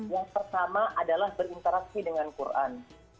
yang pertama adalah berinteraksi dengan quran